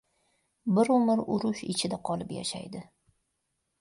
bir umr urush ichida qolib yashaydi.